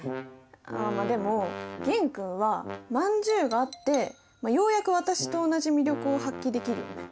あまあでも玄君はまんじゅうがあってようやく私と同じ魅力を発揮できるよね。